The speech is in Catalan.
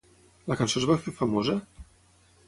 La cançó es va fer famosa?